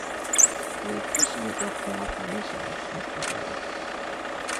We appreciate your cooperation Mr Doe.